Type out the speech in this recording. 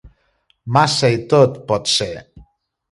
Massa i tot, potser.